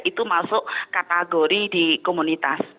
itu masuk kategori di komunitas